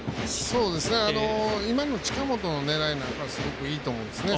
今の近本の狙いなんかはすごくいいと思いますね。